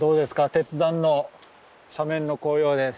鉄山の斜面の紅葉です。